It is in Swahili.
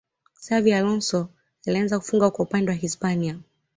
xavi alonso alianza kufunga kwa upande wa hispania